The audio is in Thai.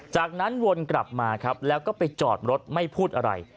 จากนั้นวนกลับมาครับแล้วก็ไปจอดรถไม่พูดอะไร